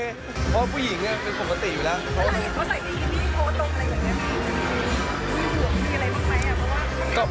เพราะผู้หญิงเนี่ยเป็นปกติอยู่แล้ว